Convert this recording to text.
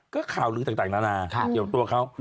ก็ข่าวลือต่างนานาเกี่ยวกับตัวเขา